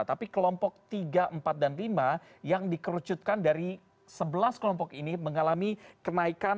tapi kelompok tiga empat dan lima yang dikerucutkan dari sebelas kelompok ini mengalami kenaikan